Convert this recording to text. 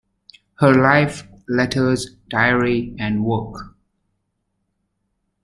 Her Life, Letters, Diary, and Work.